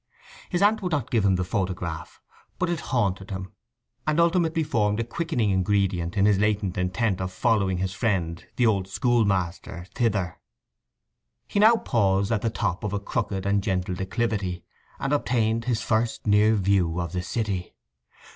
His aunt would not give him the photograph. But it haunted him; and ultimately formed a quickening ingredient in his latent intent of following his friend the school master thither. He now paused at the top of a crooked and gentle declivity, and obtained his first near view of the city.